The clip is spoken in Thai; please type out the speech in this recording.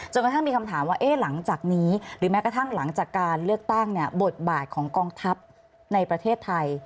กระทั่งมีคำถามว่าหลังจากนี้หรือแม้กระทั่งหลังจากการเลือกตั้งเนี่ยบทบาทของกองทัพในประเทศไทย